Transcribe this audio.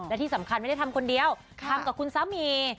และที่สำคัญไม่ได้ทำคนเดียวทำกับคุณสามี